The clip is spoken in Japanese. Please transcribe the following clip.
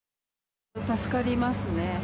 助かりますね。